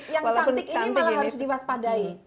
yang cantik ini malah harus diwaspadai